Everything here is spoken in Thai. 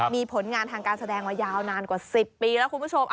มีผลงานทางการแสดงมายาวนานกว่า๑๐ปีแล้วคุณผู้ชม